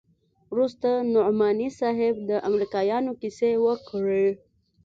وروسته نعماني صاحب د امريکايانو کيسې وکړې.